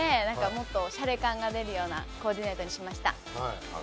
もっとしゃれ感が出るようなコーディネートにしました。